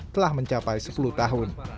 telah mencapai sepuluh tahun